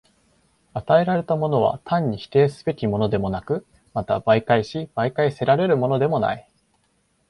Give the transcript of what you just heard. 与えられたものは単に否定すべきものでもなく、また媒介し媒介せられるものでもない。